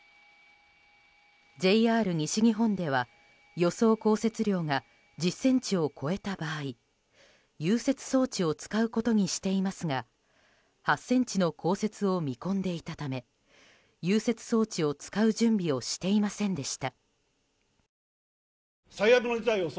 ＪＲ西日本では予想降雪量が１０ｃｍを超えた場合融雪装置を使うことにしていますが８ｃｍの降雪を見込んでいたため融雪装置を使う準備をしていませんでした。